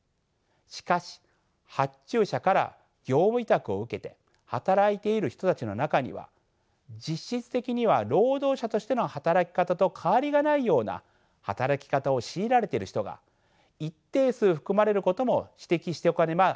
しかし発注者から業務委託を受けて働いている人たちの中には実質的には労働者としての働き方と変わりがないような働き方を強いられている人が一定数含まれることも指摘しておかねばなりません。